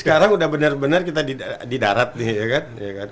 sekarang udah benar benar kita di darat nih ya kan